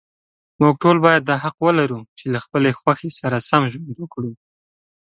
موږ ټول باید دا حق ولرو، چې له خپلې خوښې سره سم ژوند وکړو.